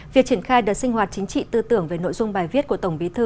việc triển khai đợt sinh hoạt chính trị tư tưởng về nội dung bài viết của tổng bí thư